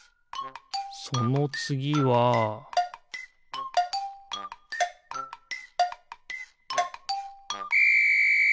そのつぎはピッ！